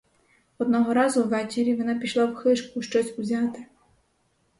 Одного разу ввечері вона пішла в хижку щось узяти.